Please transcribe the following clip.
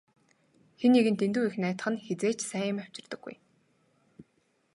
Хэн нэгэнд дэндүү их найдах нь хэзээ ч сайн юм авчирдаггүй.